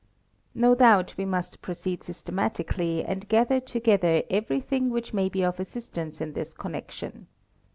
No doubt we must proceed systematically — and gather together everything which may be of assistance in this con — nection.